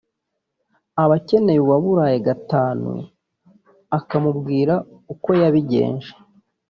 aba akeneye uwaburaye gatanu akamubwira uko yabigenje